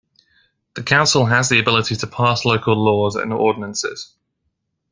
The Council has the ability to pass local laws and ordinances.